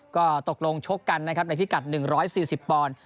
ก็ตกลงชกกันนะครับในพิกัดหนึ่งร้อยสี่สิบปอนด์